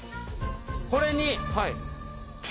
これにＴ！